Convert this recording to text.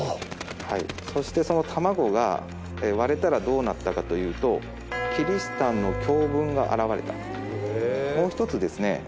そしてその卵が割れたらどうなったかというとキリシタンの教文が現れた。